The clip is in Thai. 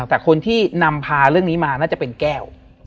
แต่คนที่นำพาเรื่องนี้มาน่าจะเป็นแก้ว